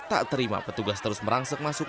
tak terima petugas terus merangsek masuk